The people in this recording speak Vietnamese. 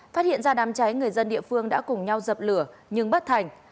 phát hiện ra đám cháy người dân địa phương đã cùng nhau dập lửa nhưng bất thành